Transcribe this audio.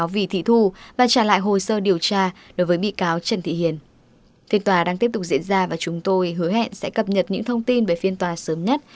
và chúng tôi hứa hẹn sẽ cập nhật những thông tin về phiên tòa sớm nhất